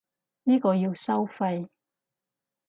呢個要收費